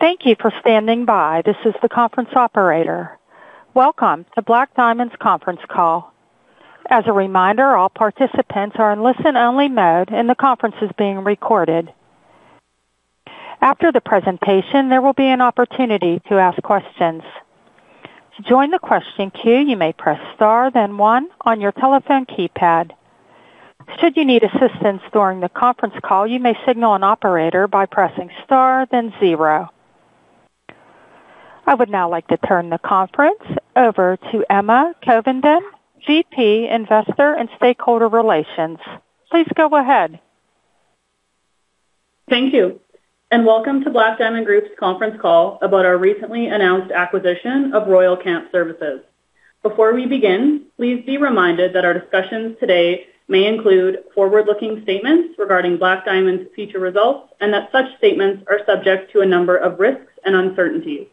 Thank you for standing by. This is the conference operator. Welcome to Black Diamond's conference call. As a reminder, all participants are in listen-only mode, and the conference is being recorded. After the presentation, there will be an opportunity to ask questions. To join the question queue, you may press star, then one on your telephone keypad. Should you need assistance during the conference call, you may signal an operator by pressing star, then zero. I would now like to turn the conference over to Emma Covenden, GP, Investor and Stakeholder Relations. Please go ahead. Thank you, and welcome to Black Diamond Group's conference call about our recently announced acquisition of Royal Camp Services. Before we begin, please be reminded that our discussions today may include forward-looking statements regarding Black Diamond's future results, and that such statements are subject to a number of risks and uncertainties.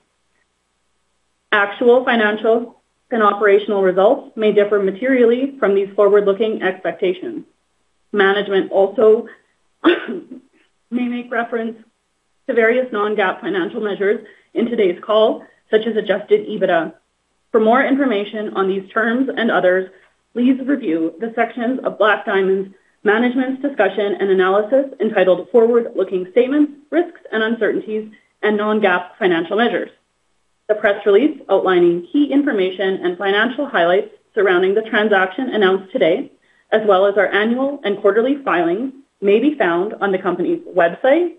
Actual financial and operational results may differ materially from these forward-looking expectations. Management also may make reference to various non-GAAP financial measures in today's call, such as adjusted EBITDA. For more information on these terms and others, please review the sections of Black Diamond's management's discussion and analysis entitled "Forward-Looking Statements, Risks and Uncertainties, and Non-GAAP Financial Measures." The press release outlining key information and financial highlights surrounding the transaction announced today, as well as our annual and quarterly filings, may be found on the company's website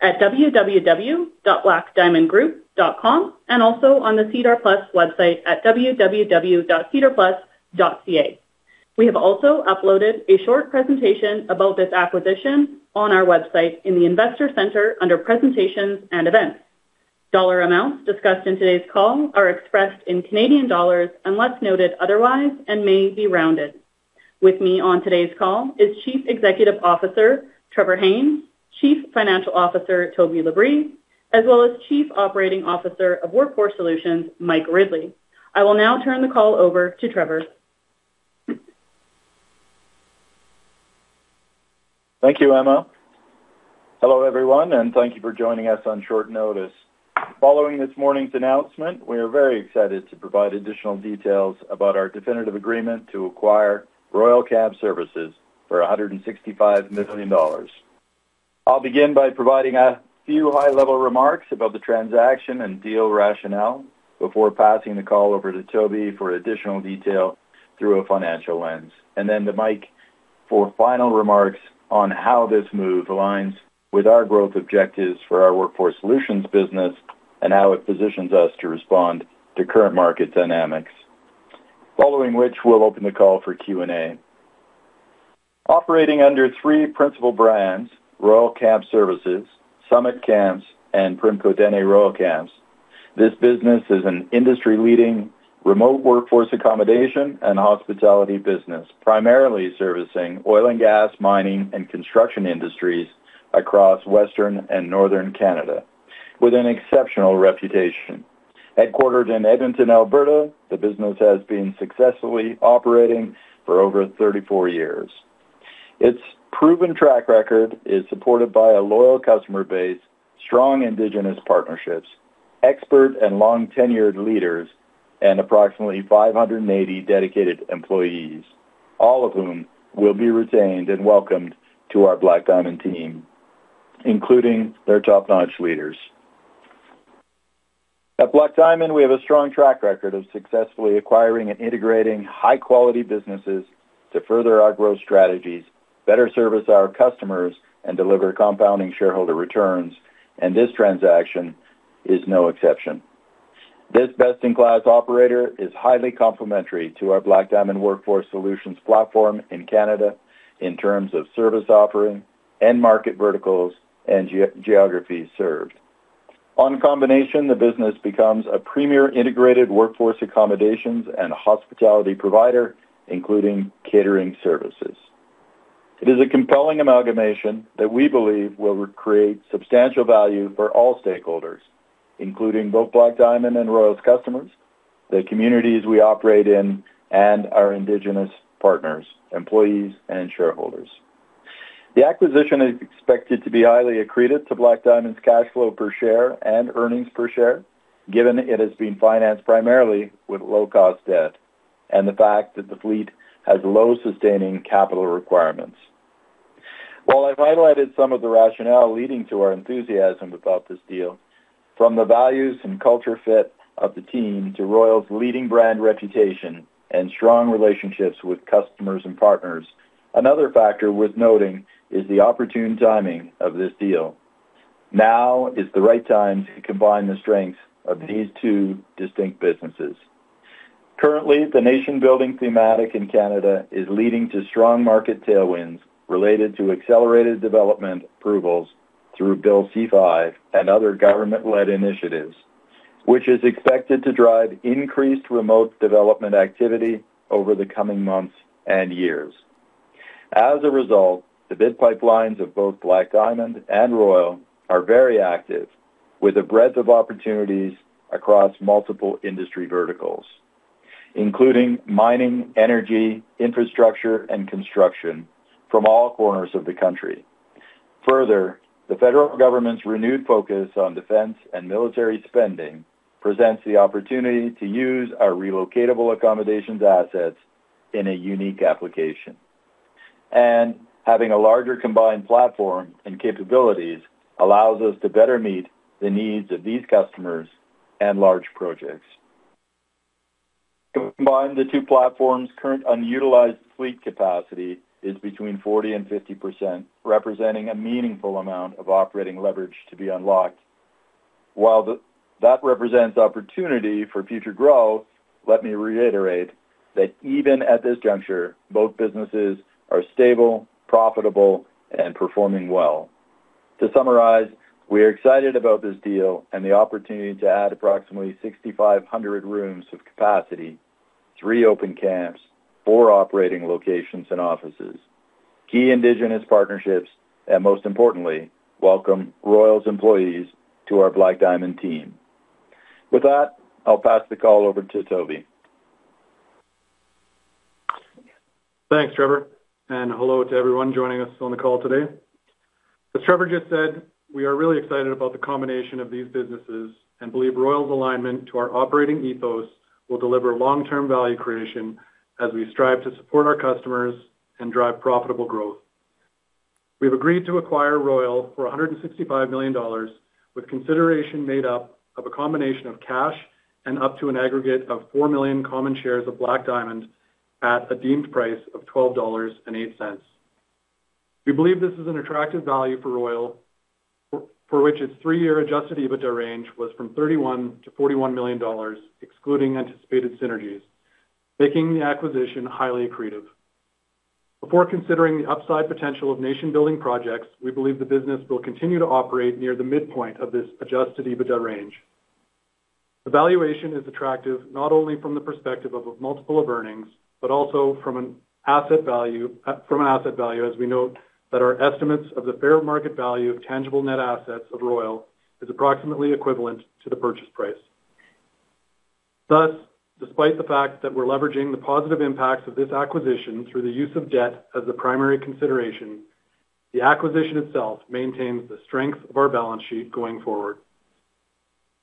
at www.blackdiamondgroup.com and also on the CedarPlus website at www.cedarplus.ca. We have also uploaded a short presentation about this acquisition on our website in the Investor Center under "Presentations and Events." Dollar amounts discussed in today's call are expressed in Canadian dollars unless noted otherwise and may be rounded. With me on today's call is Chief Executive Officer Trevor Haynes, Chief Financial Officer Toby Labrie, as well as Chief Operating Officer of Workforce Solutions, Mike Ridley. I will now turn the call over to Trevor. Thank you, Emma. Hello, everyone, and thank you for joining us on short notice. Following this morning's announcement, we are very excited to provide additional details about our definitive agreement to acquire Royal Camp Services for $165 million. I'll begin by providing a few high-level remarks about the transaction and deal rationale before passing the call over to Toby for additional detail through a financial lens, and then to Mike for final remarks on how this move aligns with our growth objectives for our Workforce Solutions business and how it positions us to respond to current market dynamics. Following which, we'll open the call for Q&A. Operating under three principal brands: Royal Camp Services, Summit Camps, and Primco Denny Royal Camps, this business is an industry-leading remote workforce accommodation and hospitality business, primarily servicing oil and gas, mining, and construction industries across Western and Northern Canada with an exceptional reputation. Headquartered in Edmonton, Alberta, the business has been successfully operating for over 34 years. Its proven track record is supported by a loyal customer base, strong Indigenous partnerships, expert and long-tenured leaders, and approximately 580 dedicated employees, all of whom will be retained and welcomed to our Black Diamond team, including their top-notch leaders. At Black Diamond, we have a strong track record of successfully acquiring and integrating high-quality businesses to further our growth strategies, better service our customers, and deliver compounding shareholder returns, and this transaction is no exception. This best-in-class operator is highly complementary to our Black Diamond Workforce Solutions platform in Canada in terms of service offering and market verticals and geographies served. On combination, the business becomes a premier integrated workforce accommodations and hospitality provider, including catering services. It is a compelling amalgamation that we believe will create substantial value for all stakeholders, including both Black Diamond and Royal's customers, the communities we operate in, and our Indigenous partners, employees, and shareholders. The acquisition is expected to be highly accretive to Black Diamond's cash flow per share and earnings per share, given it has been financed primarily with low-cost debt and the fact that the fleet has low sustaining capital requirements. While I've highlighted some of the rationale leading to our enthusiasm about this deal, from the values and culture fit of the team to Royal's leading brand reputation and strong relationships with customers and partners, another factor worth noting is the opportune timing of this deal. Now is the right time to combine the strengths of these two distinct businesses. Currently, the nation-building thematic in Canada is leading to strong market tailwinds related to accelerated development approvals through bill C5 and other government-led initiatives, which is expected to drive increased remote development activity over the coming months and years. As a result, the bid pipelines of both Black Diamond and Royal are very active, with a breadth of opportunities across multiple industry verticals, including mining, energy, infrastructure, and construction from all corners of the country. Further, the federal government's renewed focus on defense and military spending presents the opportunity to use our relocatable accommodations assets in a unique application, and having a larger combined platform and capabilities allows us to better meet the needs of these customers and large projects. Combined, the two platforms' current unutilized fleet capacity is between 40% and 50%, representing a meaningful amount of operating leverage to be unlocked. While that represents opportunity for future growth, let me reiterate that even at this juncture, both businesses are stable, profitable, and performing well. To summarize, we are excited about this deal and the opportunity to add approximately 6,500 rooms of capacity, three open camps, four operating locations and offices, key Indigenous partnerships, and most importantly, welcome Royal's employees to our Black Diamond team. With that, I'll pass the call over to Toby. Thanks, Trevor, and hello to everyone joining us on the call today. As Trevor just said, we are really excited about the combination of these businesses and believe Royal's alignment to our operating ethos will deliver long-term value creation as we strive to support our customers and drive profitable growth. We've agreed to acquire Royal for $165 million, with consideration made up of a combination of cash and up to an aggregate of 4 million common shares of Black Diamond at a deemed price of $12.08. We believe this is an attractive value for Royal, for which its three-year adjusted EBITDA range was from $31 million to $41 million, excluding anticipated synergies, making the acquisition highly accretive. Before considering the upside potential of nation-building projects, we believe the business will continue to operate near the midpoint of this adjusted EBITDA range. The valuation is attractive not only from the perspective of a multiple of earnings, but also from an asset value, as we note that our estimates of the fair market value of tangible net assets of Royal is approximately equivalent to the purchase price. Thus, despite the fact that we're leveraging the positive impacts of this acquisition through the use of debt as the primary consideration, the acquisition itself maintains the strength of our balance sheet going forward.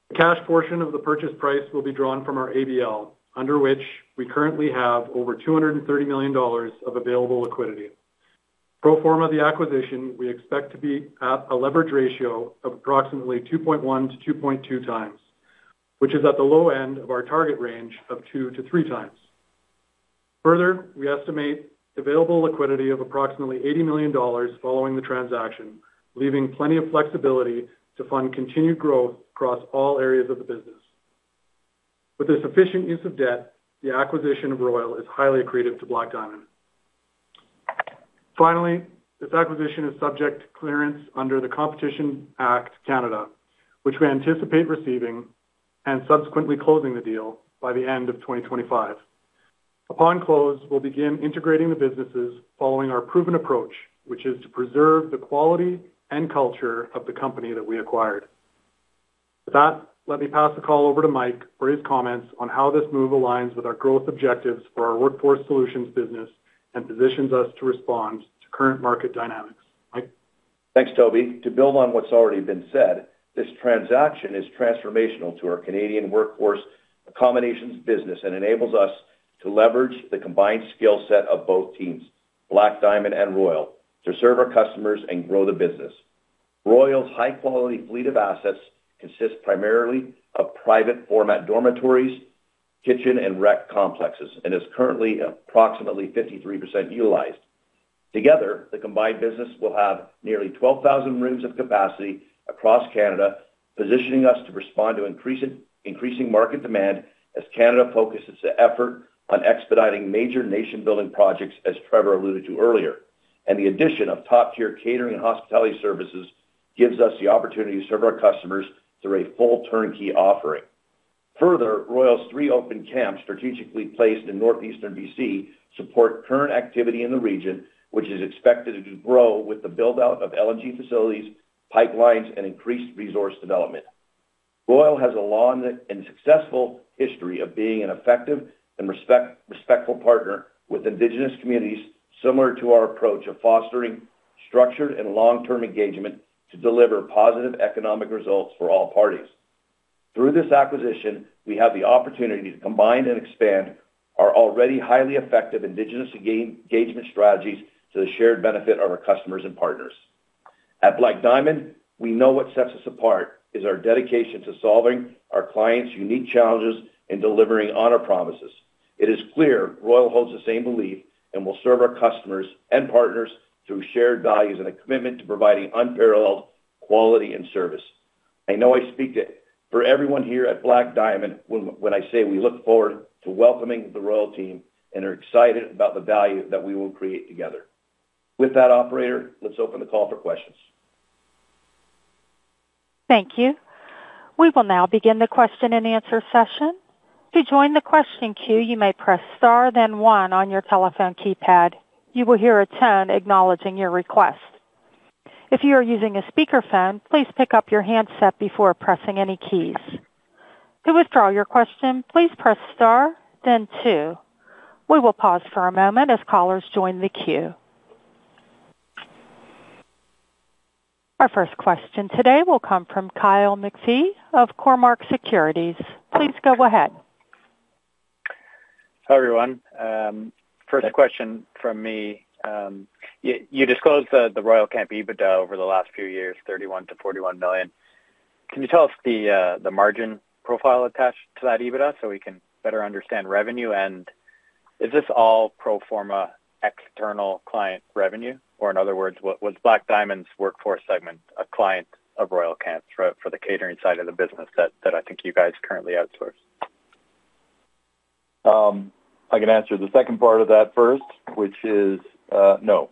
The cash portion of the purchase price will be drawn from our AVL, under which we currently have over $230 million of available liquidity. Pro forma the acquisition, we expect to be at a leverage ratio of approximately 2.1 to 2.2 times, which is at the low end of our target range of 2 to 3 times. Further, we estimate available liquidity of approximately $80 million following the transaction, leaving plenty of flexibility to fund continued growth across all areas of the business. With the sufficient use of debt, the acquisition of Royal is highly accretive to Black Diamond. Finally, this acquisition is subject to clearance under the Competition Act Canada, which we anticipate receiving and subsequently closing the deal by the end of 2025. Upon close, we'll begin integrating the businesses following our proven approach, which is to preserve the quality and culture of the company that we acquired. With that, let me pass the call over to Mike for his comments on how this move aligns with our growth objectives for our Workforce Solutions business and positions us to respond to current market dynamics. Thanks, Toby. To build on what's already been said, this transaction is transformational to our Canadian workforce accommodations business and enables us to leverage the combined skill set of both teams, Black Diamond and Royal, to serve our customers and grow the business. Royal's high-quality fleet of assets consists primarily of private format dormitories, kitchen, and rec complexes and is currently approximately 53% utilized. Together, the combined business will have nearly 12,000 rooms of capacity across Canada, positioning us to respond to increasing market demand as Canada focuses the effort on expediting major nation-building projects, as Trevor alluded to earlier. The addition of top-tier catering and hospitality services gives us the opportunity to serve our customers through a full turnkey offering. Further, Royal's three open camps strategically placed in northeastern BC support current activity in the region, which is expected to grow with the build-out of LNG facilities, pipelines, and increased resource development. Royal has a long and successful history of being an effective and respectful partner with Indigenous communities, similar to our approach of fostering structured and long-term engagement to deliver positive economic results for all parties. Through this acquisition, we have the opportunity to combine and expand our already highly effective Indigenous engagement strategies to the shared benefit of our customers and partners. At Black Diamond, we know what sets us apart is our dedication to solving our clients' unique challenges and delivering on our promises. It is clear Royal holds the same belief and will serve our customers and partners through shared values and a commitment to providing unparalleled quality and service. I know I speak for everyone here at Black Diamond when I say we look forward to welcoming the Royal team and are excited about the value that we will create together. With that, operator, let's open the call for questions. Thank you. We will now begin the question and answer session. To join the question queue, you may press star, then one on your telephone keypad. You will hear a tone acknowledging your request. If you are using a speakerphone, please pick up your handset before pressing any keys. To withdraw your question, please press star, then two. We will pause for a moment as callers join the queue. Our first question today will come from Kyle McPhee of Cormark Securities. Please go ahead. Hi, everyone. First question from me. You disclosed the Royal Camp EBITDA over the last few years, $31 million to $41 million. Can you tell us the margin profile attached to that EBITDA so we can better understand revenue? Is this all pro forma external client revenue? In other words, was Black Diamond's Workforce Solutions segment a client of Royal Camp for the catering side of the business that I think you guys currently outsource? I can answer the second part of that first, which is no.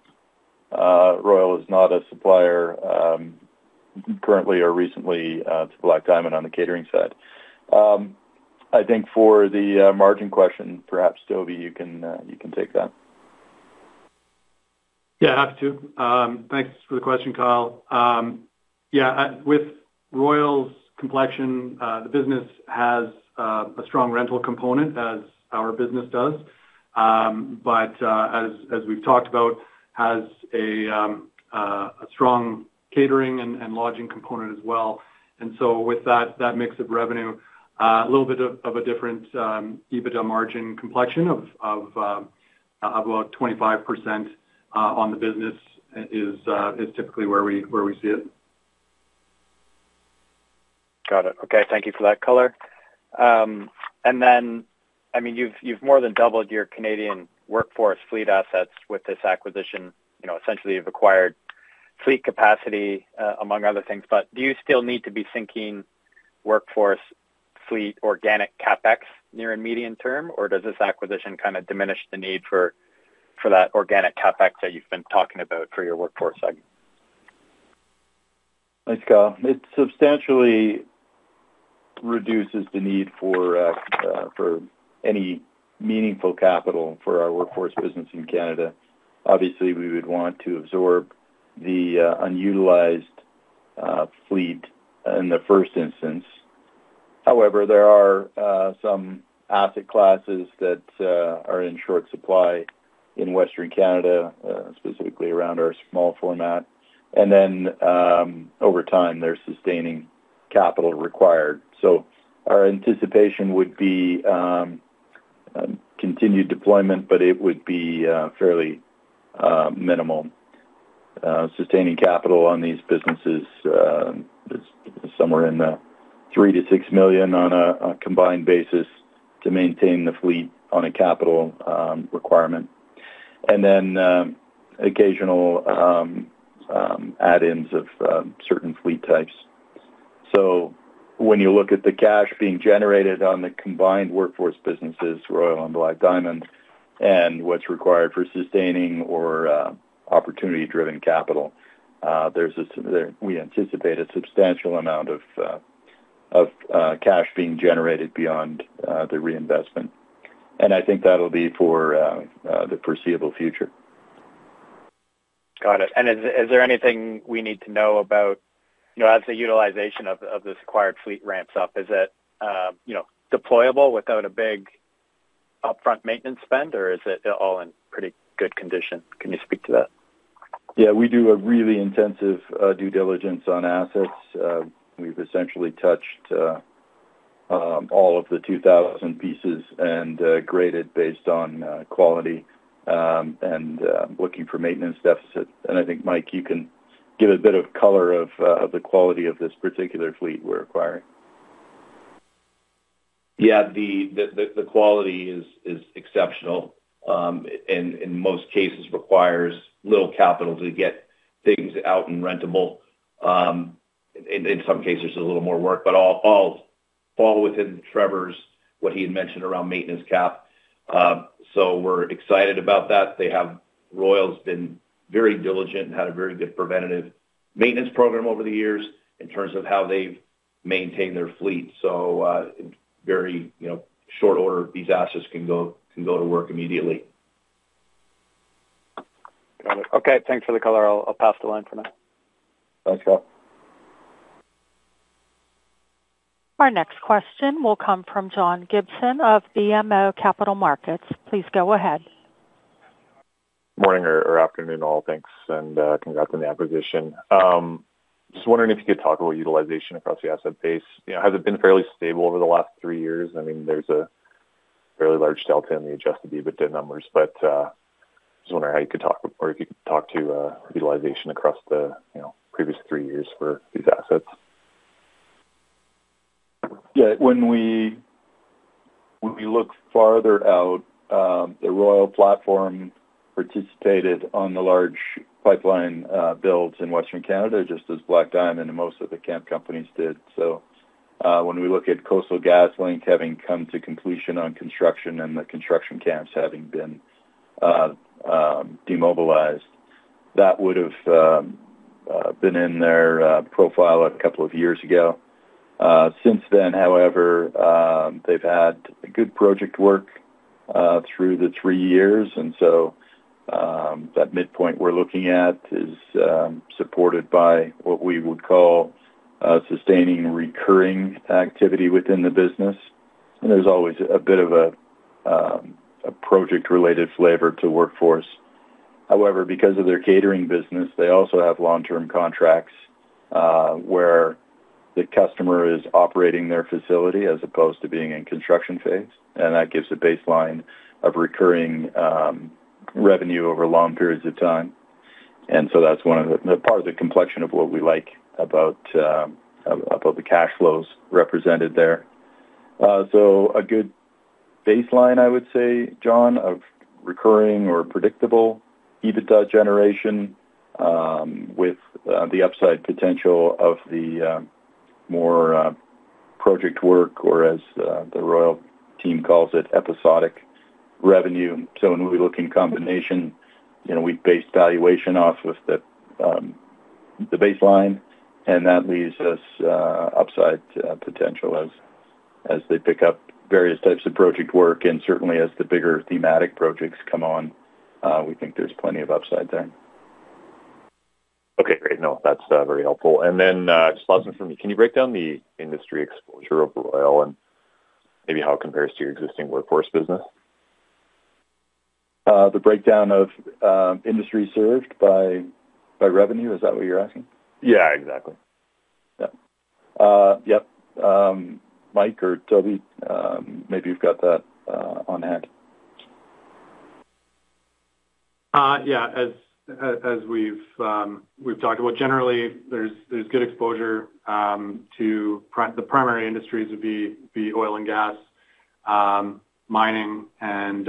Royal is not a supplier currently or recently to Black Diamond on the catering side. I think for the margin question, perhaps Toby, you can take that. Thanks for the question, Kyle. With Royal's complexion, the business has a strong rental component, as our business does. As we've talked about, it has a strong catering and lodging component as well. With that mix of revenue, a little bit of a different EBITDA margin complexion of about 25% on the business is typically where we see it. Got it. OK, thank you for that color. I mean, you've more than doubled your Canadian workforce fleet assets with this acquisition. Essentially, you've acquired fleet capacity, among other things. Do you still need to be sinking workforce fleet organic CapEx near a median term, or does this acquisition kind of diminish the need for that organic CapEx that you've been talking about for your workforce side? Let's go. It substantially reduces the need for any meaningful capital for our workforce business in Canada. Obviously, we would want to absorb the unutilized fleet in the first instance. However, there are some asset classes that are in short supply in western Canada, specifically around our small format. Over time, there's sustaining capital required. Our anticipation would be continued deployment, but it would be fairly minimal. Sustaining capital on these businesses is somewhere in the $3 to $6 million on a combined basis to maintain the fleet on a capital requirement, and then occasional add-ins of certain fleet types. When you look at the cash being generated on the combined workforce businesses, Royal Camp Services and Black Diamond Group Limited, and what's required for sustaining or opportunity-driven capital, we anticipate a substantial amount of cash being generated beyond the reinvestment. I think that'll be for the foreseeable future. Got it. Is there anything we need to know about, you know, as the utilization of this acquired fleet ramps up? Is it, you know, deployable without a big upfront maintenance spend, or is it all in pretty good condition? Can you speak to that? Yeah, we do a really intensive due diligence on assets. We've essentially touched all of the 2,000 pieces and graded based on quality, looking for maintenance deficit. I think, Mike, you can give a bit of color of the quality of this particular fleet we're acquiring. Yeah, the quality is exceptional and in most cases requires little capital to get things out and rentable. In some cases, a little more work, but all within Trevor's, what he had mentioned around maintenance cap. We're excited about that. Royal's been very diligent and had a very good preventative maintenance program over the years in terms of how they've maintained their fleet. In very short order, these assets can go to work immediately. Got it. OK, thanks for the color. I'll pass the line for now. Thanks, Kyle. Our next question will come from John Gibson of BMO Capital Markets. Please go ahead. Morning or afternoon all. Thanks, and congrats on the acquisition. I was wondering if you could talk about utilization across the asset base. Has it been fairly stable over the last three years? There's a fairly large delta in the adjusted EBITDA numbers, but I was wondering if you could talk to utilization across the previous three years for these assets. Yeah, when we look farther out, the Royal platform participated on the large pipeline builds in western Canada, just as Black Diamond and most of the camp companies did. When we look at Coastal Gas Link having come to completion on construction and the construction camps having been demobilized, that would have been in their profile a couple of years ago. Since then, however, they've had good project work through the three years. That midpoint we're looking at is supported by what we would call sustaining recurring activity within the business. There's always a bit of a project-related flavor to workforce. However, because of their catering business, they also have long-term contracts where the customer is operating their facility as opposed to being in construction phase. That gives a baseline of recurring revenue over long periods of time. That's one of the parts of the complexion of what we like about the cash flows represented there. A good baseline, I would say, John, of recurring or predictable EBITDA generation with the upside potential of the more project work, or as the Royal team calls it, episodic revenue. When we look in combination, we base valuation off of the baseline, and that leaves us upside potential as they pick up various types of project work. Certainly, as the bigger thematic projects come on, we think there's plenty of upside there. OK, great. No, that's very helpful. Just last one from you. Can you break down the industry exposure of Royal and maybe how it compares to your existing workforce business? The breakdown of industry served by revenue, is that what you're asking? Yeah, exactly. Yeah. Mike or Toby, maybe you've got that on hand. Yeah, as we've talked about, generally, there's good exposure to the primary industries, which would be oil and gas, mining, and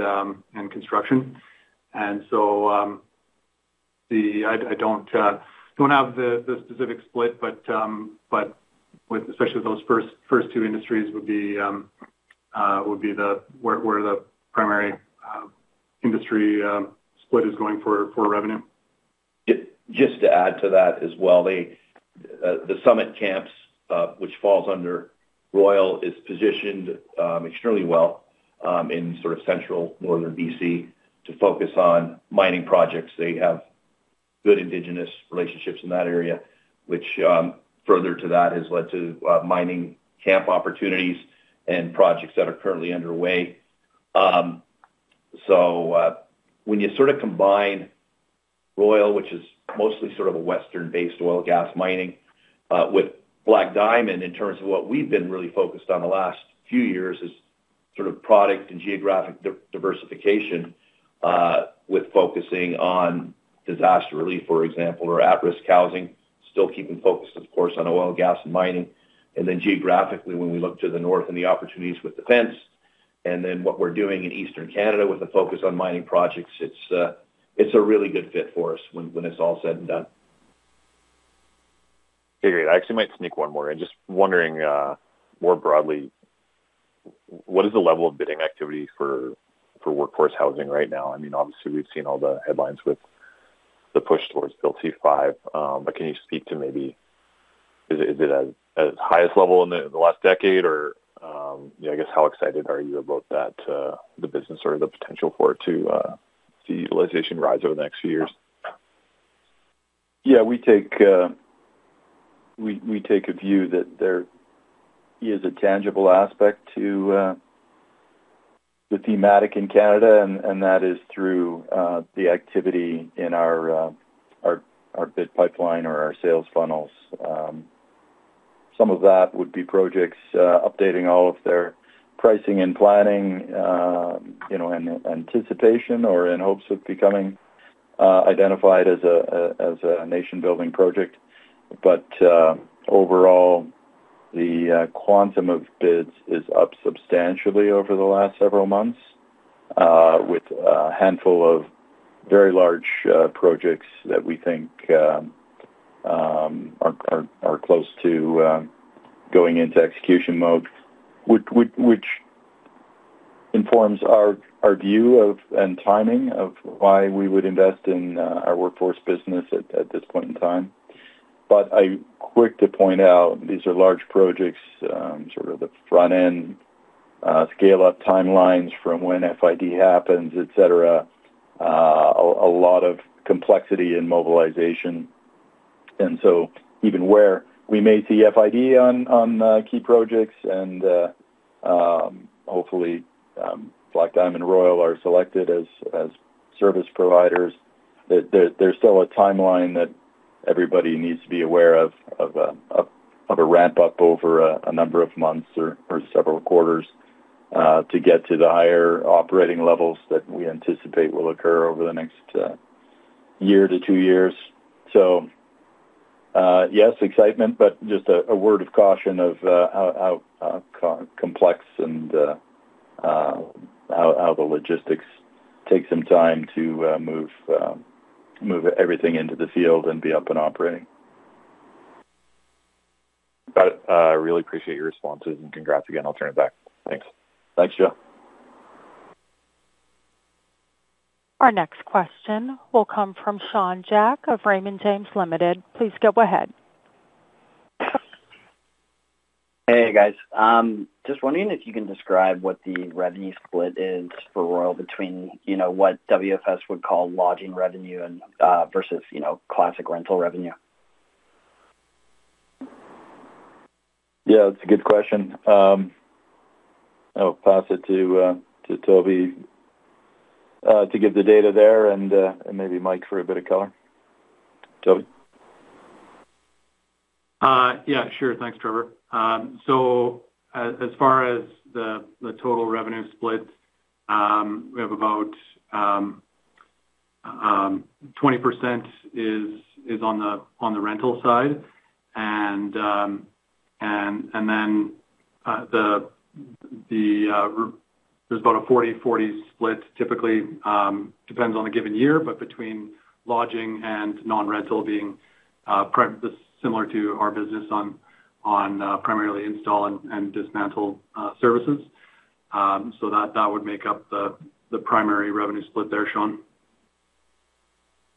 construction. I don't have the specific split, but especially those first two industries would be where the primary industry split is going for revenue. Just to add to that as well, Summit Camps, which falls under Royal, is positioned extremely well in sort of central northern BC to focus on mining projects. They have good Indigenous relationships in that area, which further to that has led to mining camp opportunities and projects that are currently underway. When you sort of combine Royal, which is mostly sort of a western-based oil and gas mining, with Black Diamond in terms of what we've been really focused on the last few years is sort of product and geographic diversification with focusing on disaster relief, for example, or at-risk housing, still keeping focused, of course, on oil and gas and mining. Geographically, when we look to the north and the opportunities with defense, and then what we're doing in eastern Canada with the focus on mining projects, it's a really good fit for us when it's all said and done. I actually might sneak one more in. Just wondering more broadly, what is the level of bidding activity for workforce housing right now? I mean, obviously, we've seen all the headlines with the push towards bill C5. Can you speak to maybe is it at its highest level in the last decade? How excited are you about that, the business or the potential for it to see utilization rise over the next few years? Yeah, we take a view that there is a tangible aspect to the thematic in Canada, and that is through the activity in our bid pipeline or our sales funnels. Some of that would be projects updating all of their pricing and planning in anticipation or in hopes of becoming identified as a nation-building project. Overall, the quantum of bids is up substantially over the last several months, with a handful of very large projects that we think are close to going into execution mode, which informs our view of and timing of why we would invest in our workforce business at this point in time. I'm quick to point out these are large projects, sort of the front-end scale-up timelines from when FID happens, etc., a lot of complexity in mobilization. Even where we may see FID on key projects and hopefully Black Diamond and Royal are selected as service providers, there's still a timeline that everybody needs to be aware of, of a ramp-up over a number of months or several quarters to get to the higher operating levels that we anticipate will occur over the next year to two years. Yes, excitement, but just a word of caution of how complex and how the logistics take some time to move everything into the field and be up and operating. Got it. I really appreciate your responses and congrats again. I'll turn it back. Thanks. Thanks, Joe. Our next question will come from Sean McPherson of Raymond James Limited. Please go ahead. Hey, guys. Just wondering if you can describe what the revenue split is for Royal between, you know, what Workforce Solutions would call lodging revenue versus, you know, classic rental revenue. Yeah, that's a good question. I'll pass it to Toby to give the data there, and maybe Mike for a bit of color. Yeah, sure. Thanks, Trevor. As far as the total revenue split, we have about 20% is on the rental side. There's about a 40/40 split, typically. It depends on the given year, but between lodging and non-rental, being similar to our business on primarily install and dismantle services. That would make up the primary revenue split there shown.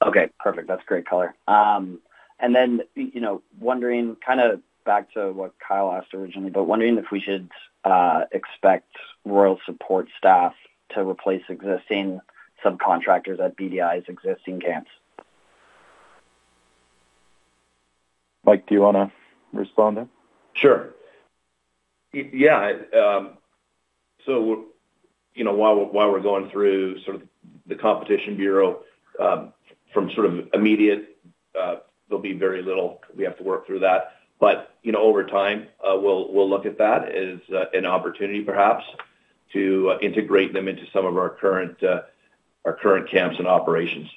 OK, perfect. That's great color. You know, wondering kind of back to what Kyle asked originally, but wondering if we should expect Royal support staff to replace existing subcontractors at Black Diamond Group's existing camps. Mike, do you want to respond there? Sure. Yeah. While we're going through the Competition Act Canada process, from immediate, there'll be very little we have to work through that. Over time, we'll look at that as an opportunity, perhaps, to integrate them into some of our current camps and operations.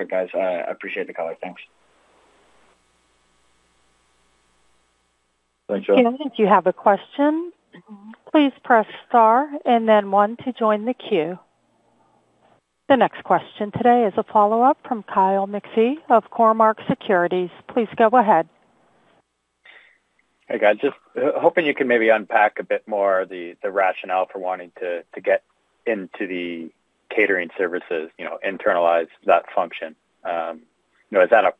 OK, perfect, guys. I appreciate the color. Thanks. Can I interrupt? If you have a question, please press star and then one to join the queue. The next question today is a follow-up from Kyle McPhee of Cormark Securities. Please go ahead. Hey, guys. Just hoping you can maybe unpack a bit more the rationale for wanting to get into the catering services, you know, internalize that function. Is that a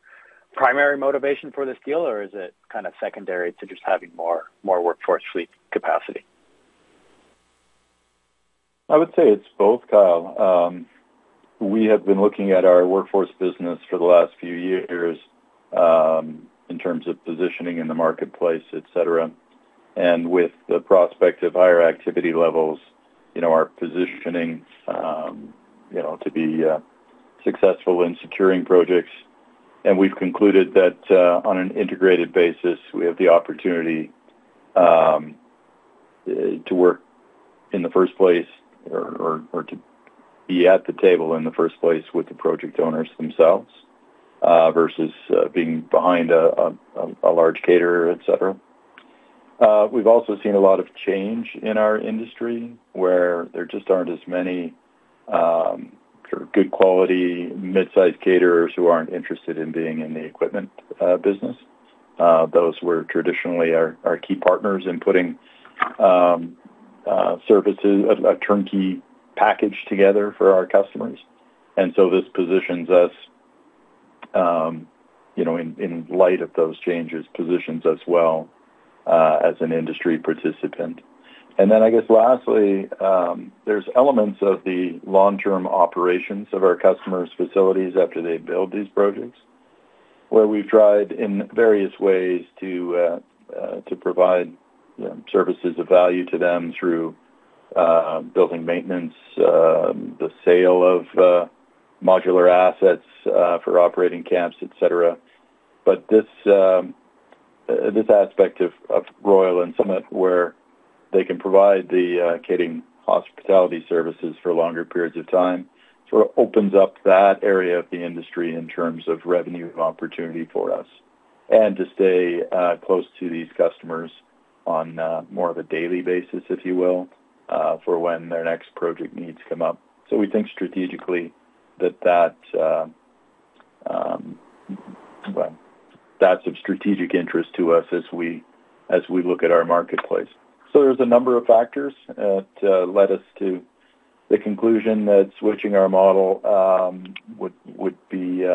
primary motivation for this deal, or is it kind of secondary to just having more workforce fleet capacity? I would say it's both, Kyle. We have been looking at our workforce business for the last few years in terms of positioning in the marketplace, et cetera. With the prospect of higher activity levels, our positioning to be successful in securing projects, we've concluded that on an integrated basis, we have the opportunity to work in the first place or to be at the table in the first place with the project owners themselves versus being behind a large caterer, et cetera. We've also seen a lot of change in our industry where there just aren't as many good-quality mid-sized caterers who aren't interested in being in the equipment business. Those were traditionally our key partners in putting services, a turnkey package together for our customers. This positions us, in light of those changes, positions us well as an industry participant. Lastly, there's elements of the long-term operations of our customers' facilities after they build these projects, where we've tried in various ways to provide services of value to them through building maintenance, the sale of modular assets for operating camps, et cetera. This aspect of Royal Camp Services and Summit Camps, where they can provide the catering and hospitality services for longer periods of time, sort of opens up that area of the industry in terms of revenue opportunity for us and to stay close to these customers on more of a daily basis, if you will, for when their next project needs come up. We think strategically that that's of strategic interest to us as we look at our marketplace. There's a number of factors that led us to the conclusion that switching our model would be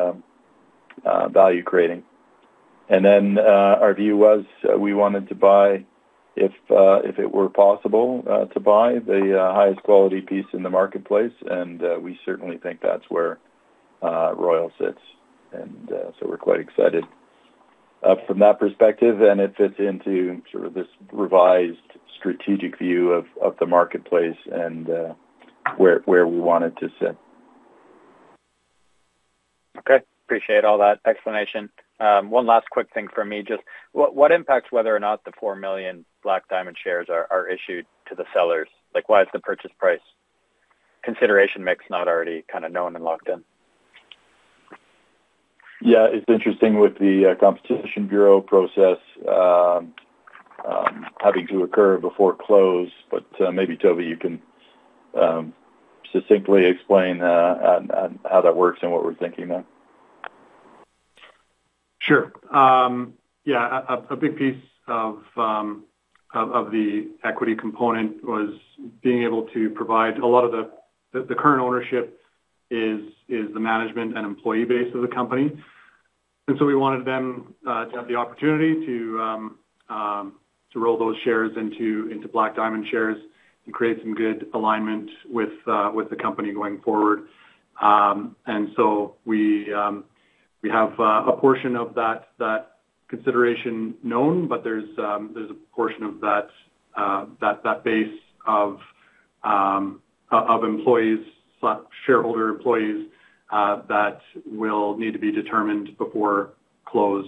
value creating. Our view was we wanted to buy, if it were possible to buy, the highest quality piece in the marketplace. We certainly think that's where Royal Camp Services sits. We're quite excited from that perspective, and it fits into sort of this revised strategic view of the marketplace and where we want it to sit. OK, appreciate all that explanation. One last quick thing from me. Just what impacts whether or not the 4 million Black Diamond shares are issued to the sellers? Like, why is the purchase price consideration mix not already kind of known and locked in? Yeah, it's interesting with the Competition Act Canada process having to occur before close. Maybe, Toby, you can succinctly explain how that works and what we're thinking there. Sure. Yeah, a big piece of the equity component was being able to provide a lot of the current ownership, as the management and employee base of the company, the opportunity to roll those shares into Black Diamond shares and create some good alignment with the company going forward. We have a portion of that consideration known, but there's a portion of that base of employee shareholders that will need to be determined before close.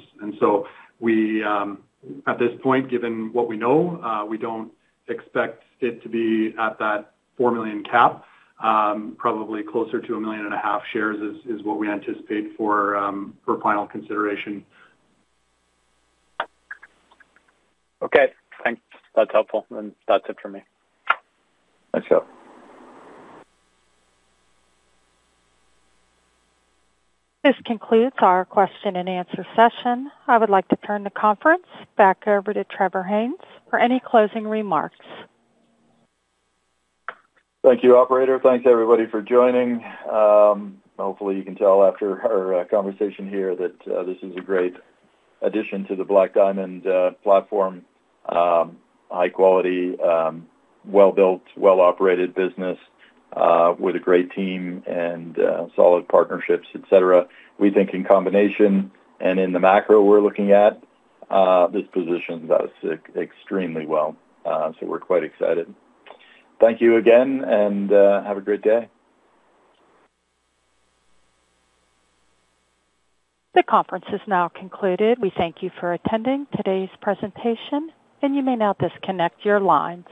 At this point, given what we know, we don't expect it to be at that $4 million cap. Probably closer to 1.5 million shares is what we anticipate for final consideration. OK, thanks. That's helpful. That's it for me. Thanks, Kyle. This concludes our question and answer session. I would like to turn the conference back over to Trevor Haynes for any closing remarks. Thank you, operator. Thanks, everybody, for joining. Hopefully, you can tell after our conversation here that this is a great addition to the Black Diamond platform, high quality, well-built, well-operated business with a great team and solid partnerships, et cetera. We think in combination and in the macro we're looking at, this positions us extremely well. We're quite excited. Thank you again and have a great day. The conference is now concluded. We thank you for attending today's presentation. You may now disconnect your lines.